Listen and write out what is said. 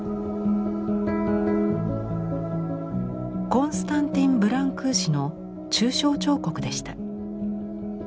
コンスタンティン・ブランクーシの抽象彫刻でした。